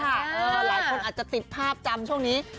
หลายคนอาจจะติดภาพจำช่วงนี้